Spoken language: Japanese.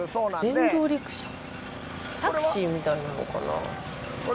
タクシーみたいなのかな。